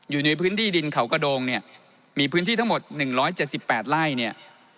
อยู่ในพื้นที่ดินเขากระโดงเนี่ยมีพื้นที่ทั้งหมด๑๗๘ไร่เนี่ย